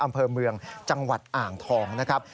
อำเภอเมืองจังหวัดอ่างทองนะครับ